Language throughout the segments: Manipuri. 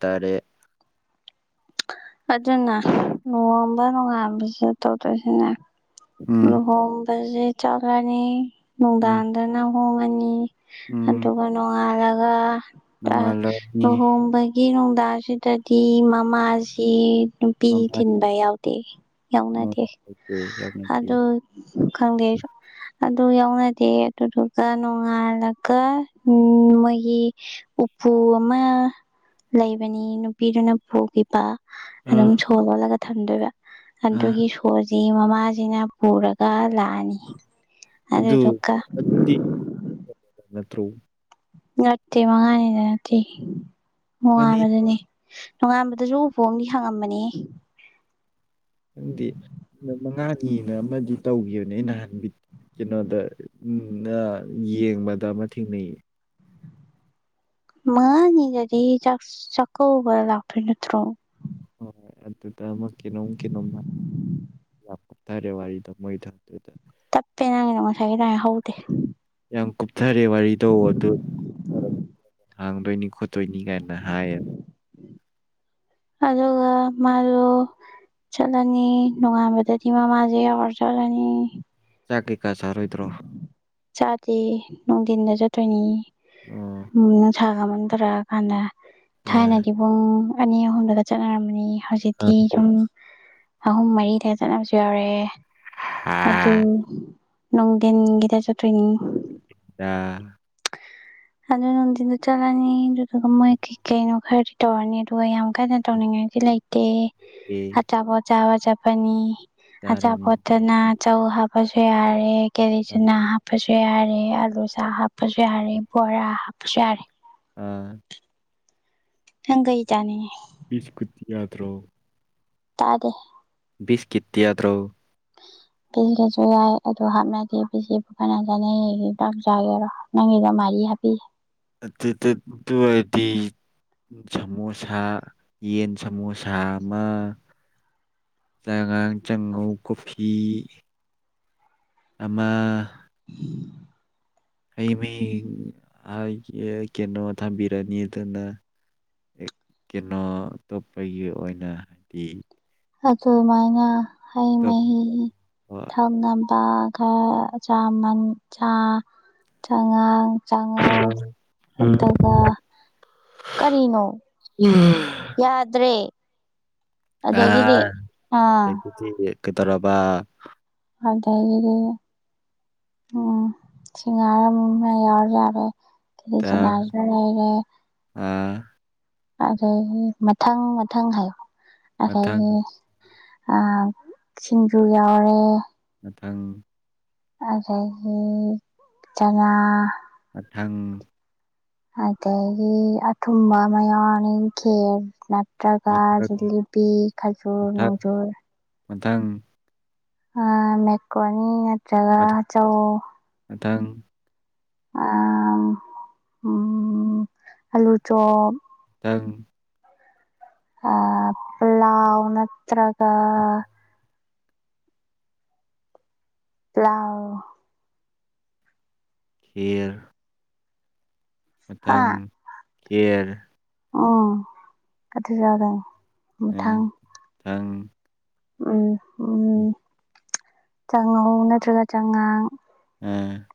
ꯇ꯭ꯔꯦꯠ ꯑꯗꯨꯅ ꯅꯣꯡꯉꯥꯟꯕ ꯅꯣꯡꯉꯥꯥꯟꯕꯁꯨ ꯇꯧꯗꯣꯏꯁꯤꯅꯦ ꯎꯝ ꯍꯣꯡꯕꯁꯦ ꯆꯠꯂꯅꯤ ꯎꯝ ꯅꯨꯡꯗꯥꯡꯗꯅ ꯍꯣꯡꯉꯅꯤ ꯎꯝ ꯑꯗꯨꯒ ꯅꫭꯡꯉꯥꯜꯂꯒ ꯑ ꯅꯣꯡꯉꯥꯜꯂꯅꯤ ꯂꯨꯍꯣꯡꯕꯩ ꯌꯦ ꯅꯨꯡꯗꯥꯡꯁꯤꯗꯗꯤ ꯃꯃꯥꯁꯤ ꯄꯤ ꯃꯃꯜ ꯊꯤꯟꯕ ꯌꯥꯎꯗꯦ ꯌꯥꯎꯅꯗꯦ ꯂꯩꯇꯦ ꯌꯥꯝ ꯂꯩꯇꯦ ꯍꫭꯏ ꯈꯪꯗꯦ ꯑꯩꯁꯨ ꯑꯗꯨ ꯌꯥꯎꯅꯗꯦ ꯑꯗꯨꯗꯨꯒ ꯅꯣꯡꯉꯥꯜꯂꯒ ꯎꯝ ꯃꯣꯏꯒꯤ ꯎꯄꯨ ꯑꯃ ꯂꯩꯕꯅꯤ ꯅꯨꯄꯤꯗꯨꯅ ꯄꯨꯒꯤ ꯕ ꯑꯗꯨꯝ ꯑꯥ ꯁꯣꯔ ꯂꯣꯜꯂꯒ ꯊꯝꯗꯣꯏꯕ ꯑꯥ ꯑꯗꯨꯒꯤ ꯁꯣꯁꯤ ꯃꯃꯥꯁꯤ ꯁꯤꯅ ꯄꯨꯔꯒ ꯂꯥꯛꯑꯅꯤ ꯑꯗꯨ ꯑꯗꯨꯗꯨꯒ ꯑꯗꯨꯗꯤ [unintelligible] ꯅꯠꯇ꯭ꯔꯣ ꯅꯠꯇꯦ ꯃꯉꯥꯅꯤꯗ ꯅꯠꯇꯦ ꯃꯥꯅꯤ ꯅꯨꯡꯉꯥꯡꯕꯗꯅꯤ ꯅꯣꯡꯉꯥꯟꯕꯗꯁꯨ ꯎꯄꯨ ꯑꯃꯗꯤ ꯍꯪꯉꯝꯕꯅꯤꯍꯦ ꯈꯪꯗꯦ ꯅꯨꯃꯤꯠ ꯃꯉꯥꯅꯤꯅ ꯑꯃꯗꯤ ꯇꯧꯈꯤꯕꯅꯦ ꯅꯍꯥꯟ ꯚꯤ ꯀꯩꯅꯣꯗ ꯌꯦꯡꯕꯗ ꯑꯃ ꯊꯦꯡꯅꯩꯌꯦ ꯃꯉꯥꯅꯤꯗꯗꯤ ꯆꯥꯛ ꯆꯥꯛꯀꯧꯕ ꯂꯥꯛꯇꯣꯏ ꯅꯠꯇ꯭ꯔꯣ ꯍꯣꯏ ꯍꯣꯏ ꯑꯗꯨꯗ ꯑꯃ ꯀꯩꯅꯣꯝ ꯀꯩꯅꯣꯝꯃ ꯌꯥꯝ ꯀꯨꯞꯊꯔꯦ ꯋꯥꯔꯤꯗꫭ ꯃꯣꯏ ꯊꯝꯗꯨꯗꯥ ꯇꯞꯄꯦ ꯅꯪꯅꯒꯤꯗꫭ ꯉꯁꯥꯏꯒꯤ ꯗꯥꯏꯅ ꯍꯧꯗꯦ ꯌꯥꯝ ꯀꯨꯞꯊꯔꯦ ꯋꯥꯔꯤꯗꯣ ꯑꯗꯨ [unintelligible] ꯍꯥꯡꯗꯣꯏꯅꯤ ꯈꯣꯠꯇꯣꯏꯅꯤ ꯀꯥꯏꯅ ꯍꯥꯏꯌꯦꯕ ꯑꯗꯨꯒ ꯃꯥꯗꯨ ꯆꯠꯂꯅꯤ ꯅꯣꯡꯉꯥꯟꯕꯗꯗꯤ ꯃꯃꯥꯁꯦ ꯌꯥꯎꯔꯥ ꯆꯠꯂꯅꯤ ꯆꯥꯛ ꯀꯩꯀꯥ ꯆꯥꯔꯣꯏꯗ꯭ꯔꯣ ꯆꯥꯗꯦ ꯅꯨꯡꯊꯤꯟꯗ ꯆꯠꯇꯣꯏꯅꯤ ꯑꯣ ꯅꯨꯡꯁꯥꯒ ꯃꯝꯊꯔꯛꯑ ꯀꯥꯟꯗ ꯑ ꯊꯥꯏꯅꯗꯤ ꯄꯨꯡ ꯑꯅꯤ ꯑꯍꯨꯝꯗꯨꯒ ꯆꯠꯅꯔꯝꯕꯅꯤ ꯑ ꯍꯧꯖꯤꯛꯇꯤ ꯌꯨꯝ ꯑꯍꯨꯝ ꯃꯔꯤ ꯍꯦꯟ ꯆꯠꯅꯕꯁꯨ ꯌꯥꯎꯔꯛꯑꯦ ꯑꯗꯨ ꯍꯥ ꯅꯣꯡꯗꯤꯟ ꯒꯤꯗꯥ ꯆꯠꯇꯣꯏꯅꯤ [unintelligible] ꯑꯗꯨ ꯅꯨꯡꯊꯤꯟꯗ ꯆꯠꯂꯅꯤ ꯑꯗꯨꯗꯨꯒ ꯃꯥꯏ ꯀꯩꯀꯩꯅꯣ ꯈꯔꯗꯤ ꯇꯧꯔꯅꯤ ꯑꯗꯨꯒ ꯌꯥꯝ ꯀꯟꯅ ꯇꯧꯅꯤꯡꯉꯥꯏꯗꯤ ꯂꯩ ꯑꯦ ꯑꯆꯥꯄꯣꯠ ꯆꯥꯕ ꯆꯠꯄꯅꯤ ꯑꯆꯥꯄꯣꯠꯇꯨꯅ ꯆꯧ ꯍꯥꯞꯄꯁꯨ ꯌꯥꯔꯦ ꯀꯦꯔꯤ ꯕꯤꯁꯀꯨꯠꯇꯤ ꯆꯅꯥ ꯍꯥꯞꯄꯁꯨ ꯌꯥꯔꯦ ꯑꯥꯂꯨ ꯁꯥꯛ ꯍꯥꯞꯄꯁꯨ ꯌꯥꯔꯦ ꯕꯣꯔꯥ ꯍꯥꯞꯄꯖꯨ ꯌꯥꯔꯦ ꯑꯥ ꯅꯪ ꯀꯩ ꯆꯥꯅꯤꯡꯏ ꯕꯤꯁꯀꯨꯗꯤ ꯌꯥꯇ꯭ꯔꯣ ꯇꯥꯗꯦ ꯕꯤꯁꯀꯤꯠꯇꯤ ꯌꯥꯗ꯭ꯔꯣ ꯄꯤꯔꯖꯨ ꯌꯥꯏ ꯑꯗꯨ ꯍꯥꯞꯅꯗꯦ ꯕꯤꯁꯀꯨꯠꯄꯨ ꯀꯅꯥ ꯆꯥꯅꯩꯌꯦꯒꯦ ꯗꯥꯛ ꯆꯥꯒꯦꯔꯣ ꯅꯪꯒꯤꯗ ꯃꯔꯤ ꯍꯥꯞꯄꯤꯒꯦ ꯑꯇꯨ ꯇꯨꯠ ꯇꯨ ꯑꯣꯏꯔꯗꯤ ꯁꯃꯣꯁꯥ ꯌꯦꯟ ꯁꯃꯣꯁꯥ ꯑꯃ ꯆꯉꯥꯡ ꯆꯉꯧ ꯀꯣꯐꯤ ꯑꯃ ꯍꯩꯃꯍꯤ ꯑꯥ ꯑꯩ ꯀꯩꯅꯣ ꯊꯝꯕꯤꯔꯅꯤ ꯑꯗꯨꯅ ꯀꯩꯅꯣ ꯑꯇꯣꯞꯄꯒꯤ ꯑꯣꯏꯅ ꯍꯥꯏꯗꯤ ꯑꯗꯨꯃꯥꯏꯅ ꯍꯩ ꯑꯇꯣꯞꯄ ꯃꯍꯤ ꯊꯛꯅꯕꯒ ꯈꯔ ꯆꯥꯃꯟ ꯆꯥ ꯆꯥꯉꯥꯡ ꯆꯥꯉꯧ ꯑꯗꯨꯒ ꯀꯔꯤꯅꯣ [unintelligible] ꯌꯥꯗ꯭ꯔꯦ ꯑꯗꯒꯤꯗꯤ ꯑꯥ [unintelligible] ꯀꯩꯗꯧꯔꯕ [unintelligible] ꯎꯝ ꯁꯤꯡꯒꯔ ꯑꯃ ꯃꯝ ꯌꯥꯎꯔꯖꯨ ꯌꯥꯔꯦ ꯑꯗꯨꯗꯩ ꯀꯤꯂꯤꯆꯅꯥꯖꯨ ꯂꯩꯔꯦ ꯑꯗꯒꯤ ꯃꯊꯪ ꯃꯊꯪ ꯍꯥꯏꯌꯣ ꯃꯊꯪ ꯑꯗꯒꯤ ꯑꯥ ꯁꯤꯡꯖꯨ ꯌꯥꯎꯔꯦ ꯃꯊꯪ ꯑꯗꯒꯤ ꯆꯥꯉꯥꯡ ꯃꯊꯪ ꯑꯗꯒꯤ ꯊꯨꯝꯕꯥ ꯑꯃ ꯌꯥꯎꯔꯅꯤ ꯈꯦꯔ ꯇ꯭ꯔꯒꯥ ꯃꯊꯛ ꯖꯤꯂꯤꯕꯤ ꯈꯖꯨꯔ ꯃꯊꯛ ꯅꯣꯡꯖꯨꯔ ꯃꯊꯪ ꯑꯥ ꯃꯦꯛꯀꯣꯅꯤ ꯅꯠꯇ꯭ꯔꯒ ꯃꯊꯪ ꯆꯧ ꯃꯊꯪ ꯑꯥ ꯎꯝ ꯑꯂꯨ ꯆꯣꯞ ꯇꯪ ꯑꯥ ꯄ꯭ꯂꯥꯎ ꯅꯠꯇ꯭ꯔꯒ [unintelligible] ꯈꯤꯔ ꯍꯥ ꯃꯊꯪ ꯈꯤꯔ ꯎꯝ ꯑꯗꯨ ꯆꯥꯗꯣꯏꯅꯤ ꯃꯊꯪ ꯊꯪ ꯎꯝ ꯎꯝ ꯆꯥꯉꯧ ꯅꯠꯇ꯭ꯔꯒ ꯆꯉꯥꯡ ꯎꯝ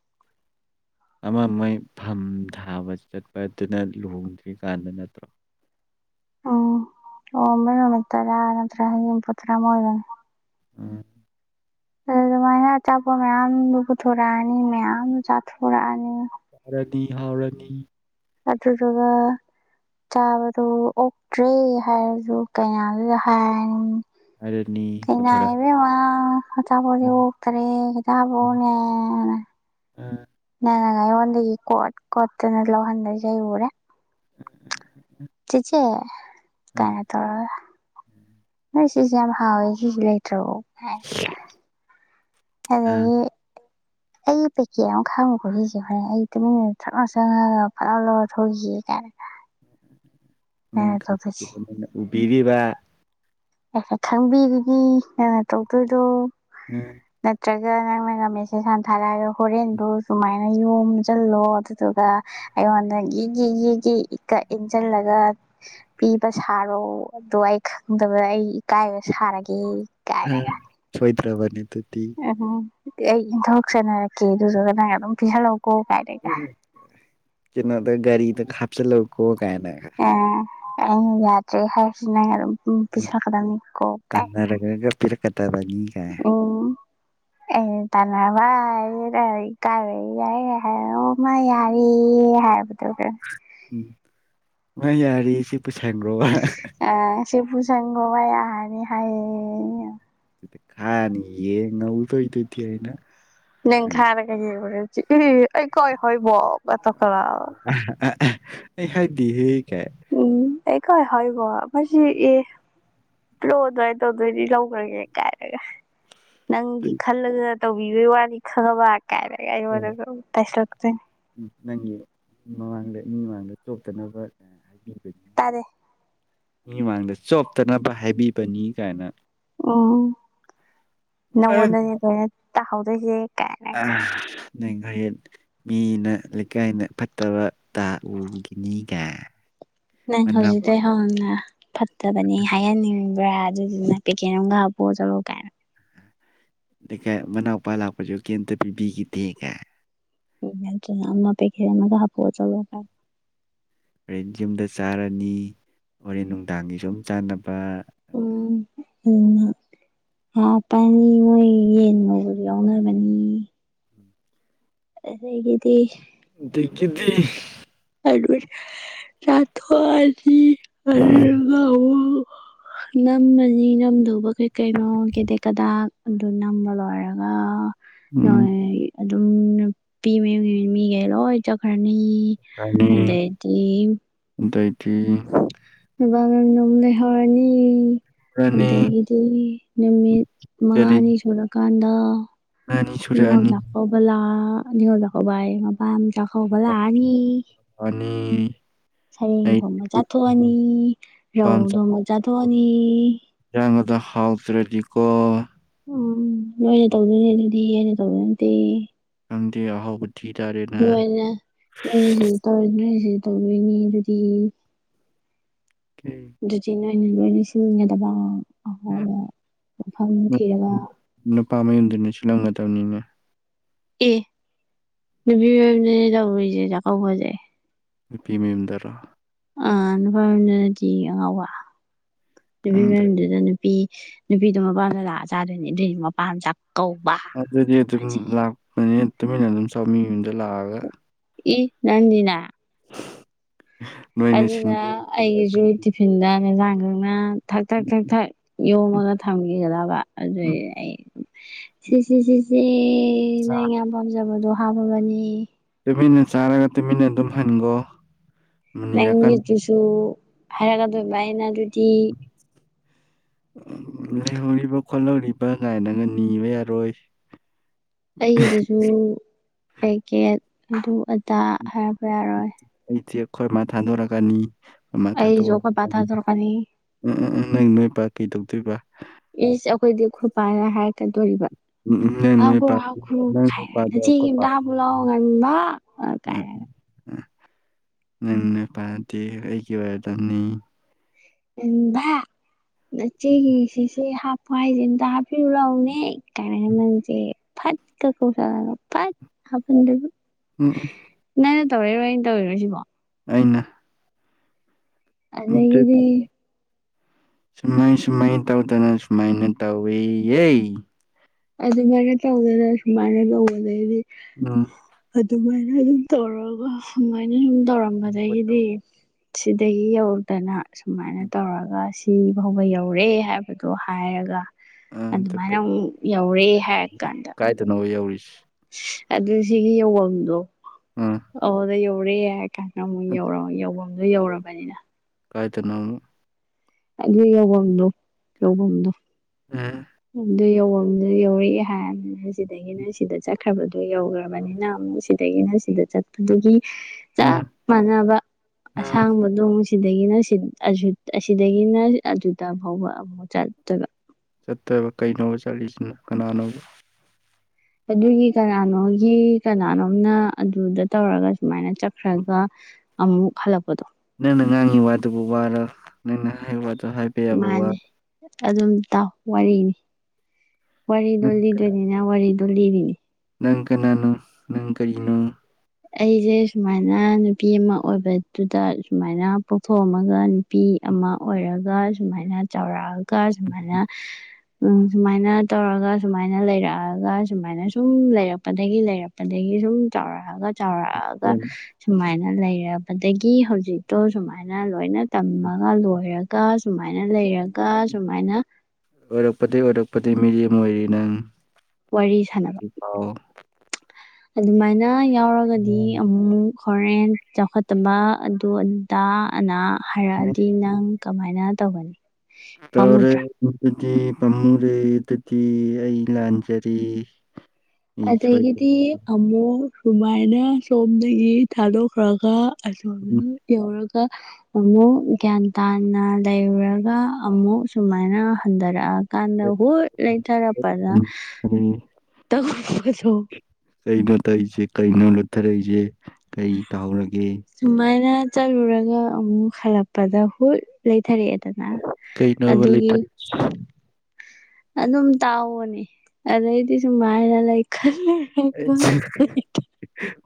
ꯑꯃ ꯃꯣꯏ ꯐꯝ ꯊꯥꯕ ꯆꯠꯄꯗꯨꯅ ꯂꯨꯍꯣꯡꯗ꯭ꯔꯤꯀꯥꯟꯗ ꯅꯠꯇ꯭ꯔꯣ ꯎꯝ ꯑꯣꯃꯦ ꯎ ꯇꯔ [unintelligible] [unintelligible] ꯅꯠꯇ꯭ꯔ ꯍꯥꯏ ꯏꯄ ꯇꯔꯃ ꯑꯣꯏꯗꯅꯅꯤ [unintelligible] [unintelligible] ꯎꯝ ꯑꯗꯨ ꯑꯗꯨꯃꯥꯏꯅ ꯑꯆꯥꯄꯣꯠ ꯃꯌꯥꯝꯗꯣ ꯄꯨꯊꯣꯔꯛꯑꯅꯤ ꯃꯌꯥꯝ ꯆꯥꯊꯣꯔꯛꯑꯅꯤ ꯑꯗꯧꯗꯤ ꯍꯥꯥꯎꯔꯅꯤ ꯑꯗꯨꯗꯨꯒ ꯆꯥꯕꯗꯨ ꯑꯣꯛꯇ꯭ꯔꯦ ꯍꯥꯏꯔꯁꯨ ꯀꯩꯅꯗꯨꯗ ꯍꯥꯏꯔꯅꯤ ꯍꯥꯏꯔꯅꯤ ꯀꯩ ꯄꯨꯊꯣꯔꯛꯑ ꯏꯕꯦꯝꯃꯥ ꯑꯆꯥꯄꯣꯠ ꯑꯣꯛꯇꯔꯦꯅ [unintelligible] ꯑꯝ ꯅꯪꯅ ꯑꯩꯉꯣꯟꯗꯒꯤ ꯀꯣꯠ ꯀꯣꯠꯇꯅ ꯂꯧꯍꯟꯗꯒꯦ ꯑꯩ ꯎꯔꯦ ꯎꯝ ꯎꯝ ꯎ [inaudible] ꯆꯦꯆꯦ ꯀꯩꯅ ꯇꯧꯔꯒ ꯁꯤꯁꯦ ꯌꯥꯝ ꯍꯥꯎꯋꯦ ꯁꯤꯁꯦ ꯂꯩꯇ꯭ꯔꯣ ꯑꯗꯒꯤ ꯑꯩ ꯄꯦꯀꯦꯠ ꯑꯃ ꯈꯥꯡꯕ ꯈꯣꯠꯂꯤꯁꯦ ꯍꯣꯔꯦꯟ ꯑꯩ ꯇꯨꯃꯤꯟꯅ ꯐꯠ ꯆꯪꯉꯒ ꯐꯠ ꯂꯥꯎ ꯂꯧꯔ ꯊꯣꯛꯈꯤ ꯀꯥꯏꯅ ꯅꯪ ꯅꯪꯅ ꯇꯧꯗꯣꯏꯁꯦ [unintelligible] ꯎꯕꯤꯔꯤꯕ ꯑꯩꯅ ꯈꯪꯕꯤꯔꯤꯅꯤ ꯅꯪꯅ ꯇꯧꯗꯣꯏꯗꯣ ꯎꯝ ꯅꯠꯇ꯭ꯔꯒ ꯅꯪꯅꯒ ꯃꯦꯁꯦꯁ ꯍꯟꯅ ꯊꯥꯔꯛꯑꯒ ꯍꯣꯔꯦꯟꯗꯨ ꯁꯨꯃꯥꯏꯅ ꯅꯣꯡꯃ ꯆꯜꯂꯨꯔꯣ ꯑꯗꯨꯗꯨꯒ ꯑꯩꯉꯣꯟꯗ ꯒꯤꯒꯤ ꯏꯟꯁꯤꯜꯂꯒ ꯄꯤꯕ ꯁꯥꯔꯣ ꯑꯗꯣ ꯑꯩ ꯈꯪꯗꯕꯗ ꯑꯩ ꯏꯀꯥꯏꯕ ꯁꯥꯔꯒꯦ ꯎꯝ ꯀꯥꯏꯅꯒ ꯁꯣꯢꯗ꯭ꯔꯕꯅꯤ ꯑꯗꯨꯗꯤ ꯎꯝ ꯑꯩ ꯏꯟꯊ ꯆꯅꯔꯛꯀꯦ ꯑꯗꯨꯗꯨꯒ ꯅꯪ ꯑꯗꯨꯝ ꯄꯤꯍꯜꯂꯛꯑꯣ ꯀꯥꯏꯅ ꯀꯩꯅꯣꯗ ꯒꯥꯔꯤꯗ ꯍꯥꯥꯞꯆꯜꯂꯣꯀꯣ ꯀꯥꯏꯅ ꯑ ꯑꯩꯅ ꯌꯥꯗ꯭ꯔꯦ ꯍꯥꯏꯁꯤꯅ ꯅꯪ ꯑꯗꯨꯝ ꯎꯝ ꯄꯩꯁꯥ ꯈꯤꯇꯪ ꯈꯥꯇꯪ ꯇꯥꯟꯅꯔꯒ ꯄꯤꯔꯛꯀꯗꯕꯅꯤ ꯀꯥꯏ [unintelligible] ꯎꯝ ꯑꯦ ꯇꯥꯟꯚꯥꯏ ꯀ ꯌꯥ [unintelligible] [unintelligible] ꯍꯥꯏ ꯃꯥ ꯌꯥꯔꯤ ꯍꯥꯏ ꯇꯧꯒ꯭ꯔꯦ ꯎꯝ ꯃꯥ ꯌꯥꯔꯤ ꯁꯤ ꯄꯨꯁꯦꯡꯈ꯭ꯔꯣ ꯁꯦ ꯄꯨꯁꯤꯟꯈ꯭ꯔꯣ [unintelligible] [unintelligible] ꯑꯍꯅꯤ ꯍꯥꯏ ꯁꯤꯗ [unintelligible] ꯍꯥꯟꯅ ꯌꯦꯡ ꯉꯧꯗꯣꯏꯗꯨꯗꯤ ꯑꯩꯅ ꯅꯪ ꯑꯩ ꯊꯔꯒ ꯌꯦꯡꯎꯔꯒ ꯑꯩ ꯀꯣꯏ ꯍꯣꯏꯕ ꯀꯥꯢꯅ ꯇꯧꯈꯠꯂꯛꯑꯕ ꯑꯩ ꯍꯥꯢꯗꯦꯍꯦ ꯒꯥꯢꯅ ꯎꯝ ꯑꯩꯥ ꯀꯥꯢ ꯍꯥꯢꯕ ꯃꯥꯁꯤꯗꯤ ꯄꯤꯔꯛꯑꯣ ꯑꯗꯨꯥꯏꯅ ꯇꯧꯗꯣꯏ ꯒꯣꯢꯔꯗꯤ ꯂꯧꯈ꯭ꯔꯒꯦ ꯀꯥꯏꯔꯒ ꯅꯪꯒꯤ ꯈꯜꯂꯒ ꯇꯧꯕꯤꯕꯒꯤ ꯋꯥꯔꯤ ꯈꯪꯕ ꯀꯥꯏꯔꯒ ꯑꯩꯉꯣꯟꯗ ꯑꯃꯨꯛ ꯇꯥꯏꯁꯜꯂꯛꯇꯣꯏꯅꯦ ꯎꯝ ꯅꯪꯒꯤ ꯃꯃꯥꯡꯗ ꯃꯤ ꯃꯃꯥꯡꯗ ꯆꯣꯞꯇꯅꯕ ꯍꯥꯏꯕꯤꯕꯅꯤ ꯇꯥꯔꯦ ꯃꯤꯃꯥꯡꯗ ꯆꯣꯞꯇꯅꯕ ꯍꯥꯏꯕꯤꯕꯅꯤ ꯀꯥꯏꯅ ꯎꯝ ꯅꯉꯣꯟꯗꯅꯦ ꯂꯣꯏꯅ ꯇꯥꯍꯧꯗꯣꯏꯁꯦ ꯀꯥꯏꯅ ꯑ [unintelligible] [unintelligible] ꯅꯦꯡꯉꯌꯦ ꯃꯤꯅ ꯂꯩꯀꯥꯏꯅ ꯐꯠꯇꯕ ꯇꯥ ꯎꯒꯤꯅꯤꯒꯥꯢꯅ ꯅꯪ ꯍꯧꯖꯤꯛꯇꯩ ꯍꯧꯅ ꯐꯠꯇꯕꯅꯤ ꯍꯥꯏꯍꯟꯅꯤꯡꯕ꯭ꯔꯥ ꯑꯗꯨꯗꯨꯅ ꯄꯦꯀꯦꯠ ꯑꯃꯒ ꯍꯥꯞꯄꯛꯑꯣ ꯆꯠꯂꯣ ꯀꯥꯏꯅ [unintelligible] ꯃꯅꯥꯎꯄꯥ ꯂꯥꯛꯄꯁꯨ ꯀꯔꯤꯝꯇ ꯄꯤꯕꯤꯈꯤꯗꯦ ꯒꯥꯏ [unintelligible] ꯍꯥꯄꯣ ꯆꯠꯂꯣ ꯀꯥꯏꯅ ꯍꯣꯔꯦꯟ ꯌꯨꯝꯗ ꯆꯥꯔꯅꯤ ꯍꯣꯔꯦꯟ ꯅꯨꯡꯗꯥꯡꯒꯤꯁꯨ ꯑꯝꯨꯛ ꯆꯥꯅꯕ ꯎꯝ [unintelligible] [unintelligible] ꯌꯥꯎꯅꯕꯅꯤ ꯑꯗꯒꯤꯗꯤ ꯑꯗꯒꯤꯗꯤ [unintelligible] ꯆꯥꯊꯣꯛꯑꯅꯤ ꯑꯗꯨꯗꯨꯒ ꯑꯃꯨꯛ ꯅꯝꯃꯅꯤ ꯅꯝꯗꯧꯕ ꯀꯩ ꯀꯩꯅꯣ ꯀꯦꯗꯦꯛ ꯀꯗꯥꯛ ꯑꯗꯨ ꯅꯝꯕ ꯂꯣꯏꯔꯒ ꯅꯣꯏ ꯎꯝ ꯑꯗꯨꯝ ꯅꯨꯄꯤ ꯃꯌꯨꯝꯒꯤ ꯃꯤꯒꯩ ꯂꯣꯏ ꯆꯠꯈ꯭ꯔꯅꯤ ꯑꯗꯩꯗꯤ [unintelligible] ꯑꯗꯨꯑꯣꯏꯗꯤ [unintelligible] ꯂꯩꯍꯧꯔꯅꯤ ꯔꯥꯅꯤ ꯑꯗꯒꯤꯗꯤ ꯅꯨꯃꯤꯠ ꯀꯔꯤ ꯃꯉꯥꯅꯤ ꯁꯨꯔꯀꯥꯟꯗ ꯑꯅꯤ ꯅꯤꯉꯣꯟ ꯁꯨꯔꯛꯑꯅꯤ ꯆꯀꯧꯕ ꯂꯥꯛ ꯅꯤꯉꯣꯟ ꯆꯥꯀꯧꯕꯌꯦ ꯃꯄꯥꯝ ꯆꯥꯀꯧꯕ ꯂꯥꯛꯑꯅꯤ ꯑꯅꯤ ꯁꯔꯦꯡ ꯑꯩ ꯊꯣꯡꯕ ꯆꯥꯊꯣꯛꯑꯅꯤ ꯔꯧ ꯊꯣꯡꯕ ꯆꯥꯊꯣꯛꯑꯅꯤ ꯏꯟꯖꯥꯡꯒꯗꯣ ꯍꯥꯎꯇ꯭ꯔꯗꯤꯀꯣ ꯎꯝ ꯅꯣꯏꯅ ꯇꯧꯗꯣꯏꯅꯦ ꯑꯗꯨꯗꯤ ꯑꯩꯅ ꯇꯧꯗꯣꯏ ꯅꯠꯇꯦ ꯅꯪꯗꯤ ꯑꯍꯥꯎꯕ ꯊꯤꯇꯥꯔꯦꯅꯦ ꯅꯣꯏꯅ ꯅꯣꯏꯅ [unintelligible] ꯇꯧꯗꯣꯏꯅꯤ ꯑꯗꯨꯗꯤ ꯎꯝ ꯑꯗꯨꯗꯤ ꯅꯣꯏꯅ ꯂꯣꯏꯅ ꯁꯤꯟꯒꯗꯕ ꯑꯐꯕ ꯃꯐꯝ ꯅꯨꯞ ꯊꯤꯔꯒ ꯅꯨꯄꯥ ꯃꯌꯨꯝꯗꯨꯅꯁꯨ [unintelligible] ꯑꯦ ꯅꯨꯄꯤ ꯃꯌꯨꯝꯗꯅꯦ ꯇꯧꯔꯤꯖꯦ ꯆꯥꯀꯧꯕꯖꯦ ꯅꯨꯄꯤ ꯃꯌꯨꯝꯗꯔꯣ ꯑ ꯅꯨꯄꯥ ꯃꯌꯨꯝꯗ ꯅꯠꯇꯦ ꯑꯉꯥꯎꯕ ꯅꯨꯄꯤ ꯈꯪꯗ꯭ꯔꯦ ꯃꯌꯨꯝꯗꯨꯗꯅꯦ ꯅꯨꯄꯤ ꯅꯨꯄꯤꯗꯣ ꯃꯄꯥꯝꯗ ꯂꯥꯛꯑ ꯆꯥꯗꯣꯏꯅꯤ ꯑꯗꯨꯏꯅꯤ ꯃꯄꯥꯝ ꯆꯥꯛ ꯀꯧꯕ ꯑꯗꯨꯗꯤ ꯑꯗꯨꯝ ꯂꯥꯛꯄꯅꯤ ꯇꯨꯃꯤꯟꯅ ꯑꯗꯨꯝ ꯆꯥꯎ ꯃꯤ ꯃꯌꯨꯝꯗ ꯂꯥꯛꯑꯒ ꯑꯦ ꯅꯪꯗꯤꯅ ꯅꯣꯏꯅ ꯑꯗꯨꯅ ꯁꯤꯟꯕꯤꯔ ꯑꯩꯒꯤꯁꯨ ꯇꯤꯐꯤꯟꯗ ꯅꯁꯥꯅꯈꯪꯅ ꯊꯛ ꯊꯛ ꯊꯛ ꯊꯛ ꯌꯣꯝꯃꯒ ꯊꯝꯈꯤꯒꯗꯕ ꯎꯝ ꯑꯗꯨꯏ ꯑꯩ ꯁꯤꯁꯤ ꯁꯤꯁꯤ ꯁꯤ ꯅꯪ ꯆꯥ- ꯌꯥꯝ ꯄꯥꯝꯖꯕꯗꯣ ꯍꯥꯞꯄꯕꯅꯤ ꯇꯨꯃꯤꯟꯅ ꯆꯥꯔꯒ ꯇꯨꯃꯤꯟꯅ ꯑꯗꯨꯝ ꯍꯟꯒꯣ ꯅꯪꯒꯤꯗꯨꯖꯨ ꯍꯥꯏꯔꯛꯀꯗꯣꯏꯕ [unintelligible] ꯑꯗꯨꯗꯤ [inaudible] ꯂꯩꯍꯧꯔꯤꯕ ꯈꯣꯠꯍꯧꯔꯤꯕ ꯀꯥꯏꯅꯒ ꯅꯤꯕ ꯌꯥꯔꯣꯏ ꯑꯩꯒꯤꯗꯖꯨ ꯄꯦꯛꯀꯦꯠ ꯑꯗꯨ ꯑꯗꯥ ꯍꯥꯏꯔꯛꯄ ꯌꯥꯔꯣꯏ ꯑꯩꯗꯤ ꯑꯩꯈꯣꯏ ꯃꯥ ꯊꯥꯗꯣꯔꯛꯀꯅꯤ ꯑꯩꯈꯣꯏꯃꯥ ꯑꯩꯁꯨ ꯑꯩꯈꯣꯏ ꯄꯥ ꯊꯥꯗꯣꯛꯑꯅꯤ ꯊꯥꯗꯣꯔꯛꯀꯅꯤ ꯎꯝ ꯎꯝ ꯎꯝ ꯅꯪ ꯅꯣꯏ ꯕꯥ ꯀꯩ ꯇꯧꯗꯣꯏꯕ ꯏꯁ ꯑꯩꯈꯣꯏꯗꯤ ꯈꯣꯏꯄꯥꯅ ꯍꯥꯏꯔꯛꯀꯗꯣꯔꯤꯕ ꯎꯝ ꯎꯝ ꯅꯪ ꯅꯣꯏ ꯄꯥ ꯍꯥꯞꯈꯔꯣ ꯍꯥꯞꯈꯔꯣ ꯅꯪ ꯅꯣꯏ ꯀꯥꯏꯅꯒ ꯄꯥꯗꯣ ꯅꯆꯦꯒꯤ ꯑꯩꯈꯣꯏ ꯄꯥ ꯑꯝꯇꯥ ꯍꯥꯞꯄꯨꯂꯥꯎ ꯉꯥꯟꯕ ꯎꯝ ꯀꯥꯏꯅꯒ ꯎꯝ ꯅꯪ ꯅꯄꯥꯗꯤ ꯑꯩꯒꯤ ꯑꯣꯏꯔꯗꯝꯅꯤ ꯉꯟꯕꯥ ꯅꯆꯦꯒꯤ ꯁꯤꯁ‌ꯦ ꯍꯥꯞ ꯃꯥꯏꯖꯦ ꯑꯝꯇ ꯍꯥꯞꯄꯤꯌꯨ ꯂꯥꯎꯅꯦ ꯀꯥꯏꯅꯒ ꯅꯪꯖꯦ ꯐꯠ ꯀ ꯀꯧꯁꯜꯂꯒ ꯐꯠ ꯍꯥꯞꯐꯟꯗꯣꯏꯕ ꯎꯝ ꯎꯝ ꯅꯪꯅ ꯇꯧꯔꯛꯏꯔꯣ ꯑꯩꯅ ꯇꯧꯔꯤꯔꯣ ꯁꯤꯕꯣ ꯑꯩꯅ ꯑꯗꯒꯤꯗꯤ [unintelligible] ꯁꯨꯃꯥꯏ ꯁꯨꯃꯥꯏ ꯇꯧꯗꯅ ꯁꯨꯃꯥꯏꯅ ꯇꯧꯋꯦꯌꯦ ꯑꯗꯨꯃꯥꯏꯅ ꯇꯧꯗꯅ ꯑꯁꯨꯨꯃꯥꯏꯅ ꯇꯧꯕꯗꯩꯗꯤ ꯎꯝ ꯑꯗꯨꯃꯥꯏꯅ ꯑꯗꯨꯝ ꯇꯧꯔꯒ ꯑꯗꯨꯃꯥꯏꯅ ꯁꯨꯝ ꯇꯧꯔꯝꯕꯗꯒꯤꯗꯤ ꯁꯤꯗꯒꯤ ꯌꯧꯔꯛꯇꯅ ꯁꯨꯃꯥꯏꯅ ꯇꯧꯔꯒ ꯁꯤ ꯐꯧꯕ ꯌꯧꯔꯦ ꯍꯥꯏꯕꯗꯣ ꯍꯥꯏꯔꯒ ꯑ ꯑꯗꯨ ꯑꯗꯨꯃꯥꯏꯅ ꯑꯃꯨꯛ ꯌꯧꯔꯦ ꯍꯥꯏꯔ ꯀꯥꯟꯗ ꯀꯥꯏꯗꯅ‌ꯣꯕ ꯌꯧꯔꯤꯁ ꯑꯗꯨ ꯁꯤꯒꯤ ꯌꯧꯕꯝꯗꯣ ꯑ ꯑꯧꯗ ꯌꯧꯔꯦ ꯀꯥꯟꯗ ꯑꯃꯨꯛ ꯌꯧꯔ ꯌꯧꯕꯝꯗꯣ ꯌꯧꯔꯕꯅꯤꯅ ꯀꯥꯏꯗꯅꯣꯝꯃ ꯑꯗꯨ ꯌꯧꯕꯝꯗꯣ ꯌꯧꯕꯝꯗꯣ ꯑꯦ ꯑꯗꯨ ꯌꯧꯕꯝꯗꯨ ꯌꯧꯔ‌ꯦ ꯍꯥꯏꯔ ꯁꯤꯗꯒꯤꯅ ꯁꯤꯗ ꯆꯛ ꯈ꯭ꯔꯕꯗꯣ ꯌꯧꯒ꯭ꯔꯕꯅꯤꯅ ꯑꯃꯨꯛ ꯁꯤꯗꯒꯤꯅ ꯁꯤꯗ ꯆꯠ ꯑꯗꯨꯒꯤ ꯎꯝ ꯆꯞ ꯃꯥꯟꯅꯕ ꯎꯝ ꯑꯁꯥꯡꯕꯗꯣ ꯑꯃꯨꯛ ꯁꯤꯗꯒꯤꯅ ꯁꯤꯠ ꯑꯁꯤꯠ ꯑꯁꯤꯗꯒꯤꯅ ꯑꯗꯨꯗ ꯐꯥꯎꯕ ꯑꯃꯨꯛ ꯆꯠꯇ‌ꯣꯏꯕ ꯆꯠꯇ‌ꯣꯏꯕ ꯀꯩꯅꯣꯕ ꯆꯠꯂꯤꯁꯤꯅ ꯀꯅꯥꯅꯣꯕ ꯑꯗꯨꯒꯤ ꯀꯅꯥꯅꯣꯒꯤ ꯀꯅꯥꯅꯣꯝꯅ ꯑꯗꯨꯗ ꯇꯧꯔꯒ ꯁꯨꯃꯥꯏꯅ ꯆꯠꯈ꯭ꯔꯒ ꯑꯃꯨꯛ ꯍꯜꯂꯛꯄꯗꯣ ꯅꯪꯅ ꯉꯥꯡꯉꯤ ꯋꯥꯗꯨꯕꯨ ꯋꯥꯔ ꯅꯪꯅ ꯍꯥꯏ ꯋꯥꯗꯨ ꯍꯥꯏ ꯃꯥꯅꯤ ꯑꯗꯨꯝ ꯇꯥꯎ ꯋꯥꯔꯤꯅꯤ ꯋꯥꯔꯤꯗꯣ ꯂꯤꯗꯣꯏꯅꯤ ꯏꯅꯥ ꯋꯥꯔꯤꯗꯨ ꯂꯤꯔꯤꯅꯤ ꯅꯪ ꯀꯅꯥꯅꯣ ꯅꯪ ꯀꯔꯤꯅꯣ ꯑꯩꯖꯦ ꯁꯨꯃꯥꯏꯅ ꯅꯨꯄꯤ ꯑꯃ ꯑꯣꯏꯕꯗꯨꯗ ꯁꯨꯃꯥꯏꯅ ꯄꯣꯛꯊꯣꯛꯑꯝꯃꯒ ꯅꯨꯄꯤ ꯑꯃ ꯑꯣꯏꯔꯒ ꯁꯨꯃꯥꯏꯅ ꯆꯥꯎꯔꯛꯑꯒ ꯁꯨꯃꯥꯏꯅ [inaudible] ꯎꯝ ꯁꯨꯃꯥꯏꯅ ꯇꯧꯔꯒ ꯁꯨꯃꯥꯏꯅ ꯂꯩꯔꯛꯑꯒ ꯁꯨꯃꯥꯏꯅ ꯁꯨꯝ ꯂꯩꯔꯛꯄꯗꯒꯤ ꯂꯩꯔꯛ ꯑꯗꯒꯤ ꯁꯨꯝ ꯆꯥꯎꯔꯛꯑꯒ ꯆꯥꯎꯔꯛꯑꯒ ꯁꯨꯃꯥꯏꯅ ꯂꯩꯔꯕꯗꯒꯤ ꯍꯧꯖꯤꯛꯇꯣ ꯁꯨꯃꯥꯏꯅ ꯂꯣꯏꯅ ꯑꯣꯏꯔꯛꯄꯗꯒꯤꯩ ꯇꯝꯃꯒ ꯂꯣꯏꯔꯒ ꯁꯨꯃꯥꯏꯅ ꯂꯩꯔꯒ ꯁꯨꯃꯥꯏꯅ ꯑꯣꯏꯔꯛꯄꯗꯩ ꯑꯣꯏꯔꯛꯄꯗꯩ ꯃꯤꯔ‌ꯦꯝ ꯑꯣꯏꯔꯤ ꯅꯪ ꯋꯥꯔꯤ ꯁꯥꯟꯅꯕ ꯑꯣ ꯑꯗꯨꯃꯥꯏꯅ ꯌꯥꯎꯔꯒꯗꯤ ꯑꯃꯨꯛ ꯍꯣꯔꯦꯟ ꯆꯥꯎꯈꯠꯇꯕ ꯑꯗꯨ ꯑꯗꯥ ꯑꯅꯥ ꯍꯥꯏꯔꯛꯑꯗꯤ ꯅꯪ ꯀꯃꯥꯏꯅ ꯇꯧꯒꯅꯤ ꯇꯥꯔꯦ ꯄꯥꯝꯃꯨꯗ꯭ꯔꯥ ꯑꯗꯨꯗꯤ ꯄꯥꯝꯃꯨꯔꯦ ꯑꯗꯨꯗꯤ ꯑꯩ ꯂꯥꯟꯖꯔꯦ ꯑꯗꯒꯤꯗꯤ ꯑꯃꯨꯛ ꯁꯨꯃꯥꯏꯅ ꯁꯣꯝꯗꯒꯤ ꯊꯥꯗꯣꯛꯈ꯭ꯔꯒ ꯑꯁꯣꯝꯗ ꯃꯨꯛ ꯌꯧꯔꯒ ꯑꯃꯨꯛ ꯒ꯭ꯌꯥꯟ ꯇꯥꯅ ꯂꯩꯔꯨꯔꯒ ꯑꯃꯨꯛ ꯁꯨꯃꯥꯏꯅ ꯍꯟꯗꯔꯛꯑ ꯀꯥꯟꯗ ꯍꯨꯠ ꯂꯩꯊꯔꯛꯄꯗ ꯎꯝ ꯇꯧꯕꯗꯣ ꯀꯩꯅꯣ ꯇꯧꯏꯖꯦ ꯀꯩꯅꯣ ꯂꯨꯠꯊꯔꯛꯏꯖꯦ ꯀꯩ ꯇꯥꯍꯧꯔꯒꯦ ꯁꯨꯃꯥꯏꯅ ꯆꯠꯔꯨꯔꯒ ꯑꯃꯨꯛ ꯍꯜꯂꯛꯄꯗ ꯍꯨꯠ ꯂꯩꯊꯔꯛꯑꯦꯗꯅ ꯀꯩꯅꯣꯕ ꯑꯗꯨꯒꯤ [inaudible] ꯑꯗꯨꯝ ꯇꯥꯑꯣꯅꯦ ꯑꯗꯩꯗꯤ ꯁꯨꯃꯥꯏꯅ ꯂꯩ ꯈꯜꯂꯦ ꯑꯩ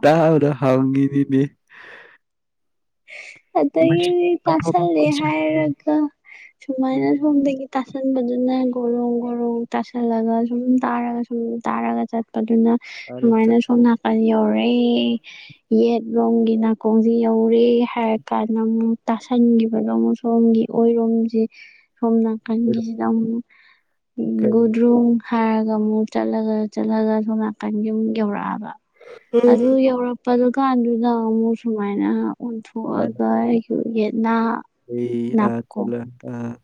ꯇꯥꯕꯔꯥ ꯍꯪꯉꯤꯅꯤꯅꯦ ꯃꯁꯤ ꯑꯗꯒꯤꯗꯤ ꯑꯐꯕ ꯇꯥꯁꯜꯂꯦ ꯀꯣꯏꯁꯟ ꯍꯥꯏꯔꯒ ꯎꯝ ꯁꯨꯃꯥꯏꯅ ꯁꯣꯝꯗꯒꯤ ꯇꯥꯁꯟꯕꯗꯨꯅ ꯒꯣꯔꯣꯡ ꯒꯣꯔꯣꯡ ꯇꯥꯁꯜꯂꯒ ꯁꯨꯝ ꯇꯥꯔꯒ ꯁꯨꯝ ꯇꯥꯔꯒ ꯆꯠꯄꯗꯨꯅ ꯐꯔꯦ ꯁꯨꯃꯥꯏꯅ ꯁꯣꯝ ꯅꯥꯀꯟ ꯌꯧꯔꯛꯑꯦ ꯌꯦꯠꯂꯣꯝꯒꯤ ꯅꯥꯀꯣꯡꯖꯦ ꯌꯧ ꯔꯦ ꯍꯥꯏꯔ ꯀꯥꯟꯗ ꯑꯃꯨꯛ ꯇꯥꯁꯟꯒꯤꯕꯗꯣ ꯑꯃꯨꯛ ꯁꯣꯝꯒꯤ ꯑꯣꯏꯔꯣꯝꯖꯤ ꯁꯣꯝ ꯆꯠꯂꯣꯏꯔꯣ ꯅꯥꯀꯟꯒꯤꯖꯤꯗ ꯑꯃꯨꯛ ꯀꯩ ꯒꯨꯗ꯭ꯔꯨꯡ ꯍꯥꯏꯔꯒ ꯑꯃꯨꯛ ꯆꯠꯂꯒ ꯆꯠꯂꯒ ꯁꯣꯝ ꯅꯥꯀꯟꯒꯤ ꯑꯃꯨꯛ ꯌꯧꯔꯛꯑꯕ ꯑꯗꯨ ꯌꯧꯔꯛꯄꯗꯨ ꯀꯥꯟꯗꯨꯗ ꯑꯃꯨꯛ ꯁꯨꯃꯥꯏꯅ ꯑꯣꯟꯊꯣ ꯑꯗꯨꯃꯥꯏꯅ ꯑꯣꯛꯑꯒ ꯇꯧ ꯑꯩꯖꯨ ꯌꯦꯠꯅꯥ ꯑꯩ ꯑꯥ ꯅꯥꯀꯣꯡ ꯆꯠꯂꯣꯏ ꯑꯥ